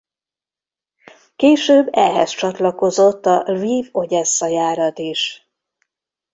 Később ehhez csatlakozott a Lviv–Odessza járat is.